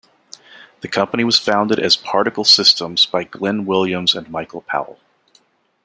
The company was founded as Particle Systems by Glyn Williams and Michael Powell.